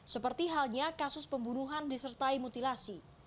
seperti halnya kasus pembunuhan disertai mutilasi